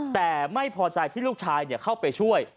แต่ไม่พอใจที่ลูกชายเข้าไปช่วย